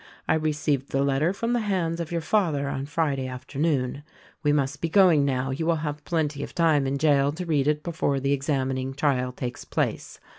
I received the letter from the hands of your father on Friday afternoon. We must be going now. You will have plenty of time in jail to read it before the examining trial takes place.